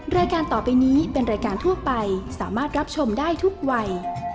รายการต่อไปนี้เป็นรายการทั่วไปสามารถรับชมได้ทุกวัย